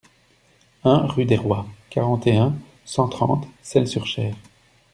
un rue des Roies, quarante et un, cent trente, Selles-sur-Cher